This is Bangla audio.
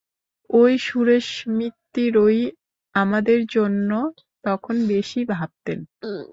ঐ সুরেশ মিত্তিরই আমাদের জন্য তখন বেশী ভাবতেন।